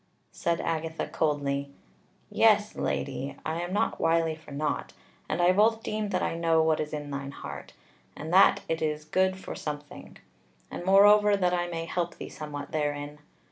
Said Agatha coldly: "Yes, Lady, I am not wily for naught; and I both deem that I know what is in thine heart, and that it is good for something; and moreover that I may help thee somewhat therein.